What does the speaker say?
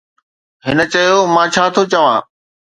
هن چيو: مان ڇا ٿو چوان؟